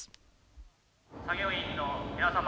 「作業員の皆様